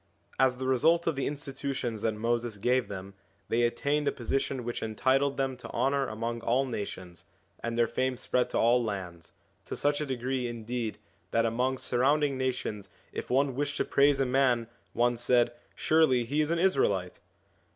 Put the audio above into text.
As the result of the institutions that Moses gave them, they attained a position which entitled them to honour among all nations, and their fame spread to all lands ; to such a degree indeed that among surrounding nations if one wished to praise a man one said, 'surely he is an Israelite.'